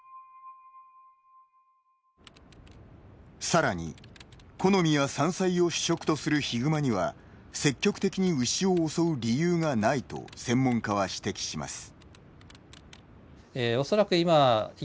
さらに、木の実や山菜を主食とするヒグマには積極的に牛を襲う理由がないと専門家は指摘します。